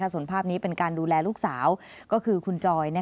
ส่วนภาพนี้เป็นการดูแลลูกสาวก็คือคุณจอย